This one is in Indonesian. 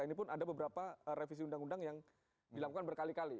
ini pun ada beberapa revisi undang undang yang dilakukan berkali kali